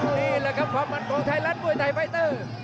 นี่แหละครับความมันของไทยรัฐมวยไทยไฟเตอร์